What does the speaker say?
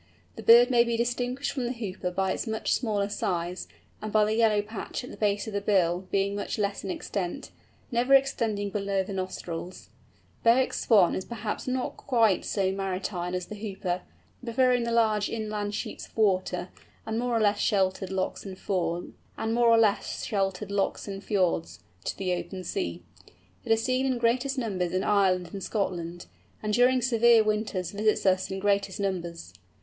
The bird may be distinguished from the Hooper by its much smaller size, and by the yellow patch at the base of the bill being much less in extent, never extending below the nostrils. Bewick's Swan is perhaps not quite so maritime as the Hooper, preferring the large inland sheets of water, and more or less sheltered lochs and fjords, to the open sea. It is seen in greatest numbers in Ireland and Scotland, and during severe winters visits us in greatest numbers.